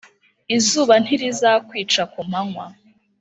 Izuba ntirizakwica kumanywa